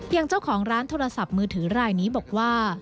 อย่างเจ้าของร้านโทรศัพท์มือถือรายนี้บอกว่า